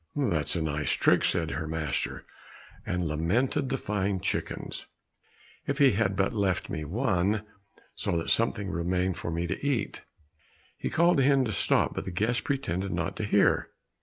"That's a nice trick!" said her master, and lamented the fine chickens. "If he had but left me one, so that something remained for me to eat." He called to him to stop, but the guest pretended not to hear.